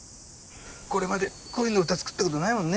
これまで恋の歌作ったことないもんね。